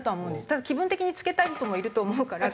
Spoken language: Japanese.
ただ気分的に着けたい人もいると思うから。